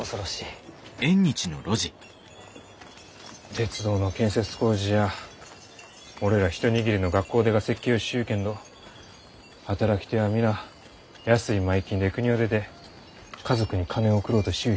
鉄道の建設工事じゃ俺ら一握りの学校出が設計をしゆうけんど働き手は皆安い前金でくにを出て家族に金を送ろうとしゆう